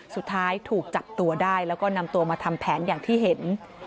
สุดท้ายถูกจับตัวได้แล้วก็นำตัวมาทำแผนอย่างที่เห็น